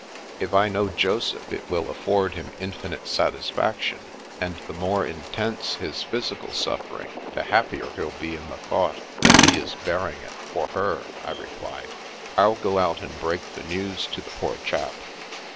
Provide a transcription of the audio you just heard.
" If I know Joseph, it will afford him infinite sat isfaction; and the more intense his physical suffer ing, the happier he'll be in the thought that he is bearing it for her," I replied. " I'll go out and break the news to the poor chap."